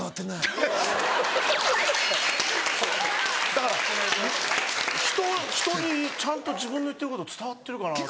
だから人人にちゃんと自分の言ってること伝わってるかな？と。